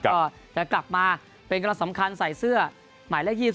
ก็จะกลับมาเป็นกำลังสำคัญใส่เสื้อหมายเลข๒๐